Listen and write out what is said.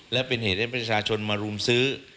และเป็นเหตุให้ประชาชนมารุมซื้อ